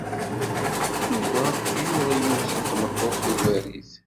Yuba yuɣ yiwet n tmeṭṭut tugar-it.